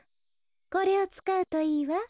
これをつかうといいわ。